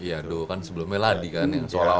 iya aduh kan sebelumnya ladi kan